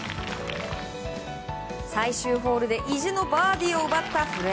最終ホールで意地のバーディーを奪った古江。